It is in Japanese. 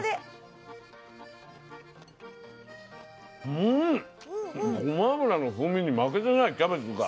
うんごま油の風味に負けてないキャベツが。